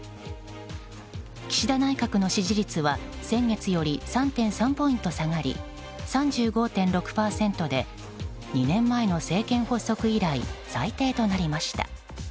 岸田内閣の支持率は先月より３．３ポイント下がり３５．６％で２年前の政権発足以来最低となりました。